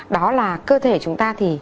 đó là cơ thể chúng ta thì